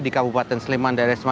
di kabupaten sleman daerah